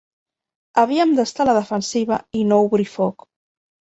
Havíem d'estar a la defensiva i no obrir foc